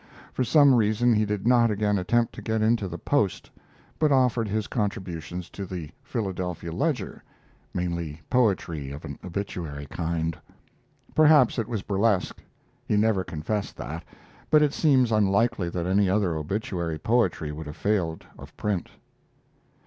For some reason he did not again attempt to get into the Post, but offered his contributions to the Philadelphia 'Ledger' mainly poetry of an obituary kind. Perhaps it was burlesque; he never confessed that, but it seems unlikely that any other obituary poetry would have failed of print.